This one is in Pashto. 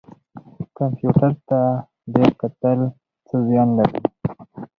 کمپیوټر ته ډیر کتل څه زیان لري؟